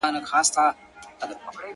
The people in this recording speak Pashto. او ستا د خوب مېلمه به~